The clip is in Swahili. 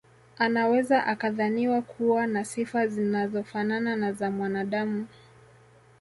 Anaweza akadhaniwa kuwa na sifa zinazofanana na za mwanaadamu